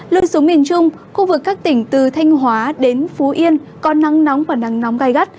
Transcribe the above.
lưu xuống miền trung khu vực các tỉnh từ thanh hóa đến phú yên có nắng nóng và nắng nóng gai gắt